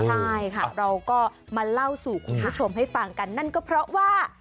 ใช่ค่ะเราก็มาเล่าสู่คุณผู้ชมให้ฟังกันนั่นก็เพราะว่า